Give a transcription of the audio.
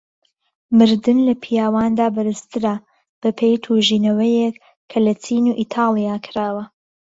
مردن لە پیاواندا بەرزترە بەپێی توێژینەوەک کە لە چین و ئیتاڵیا کراوە.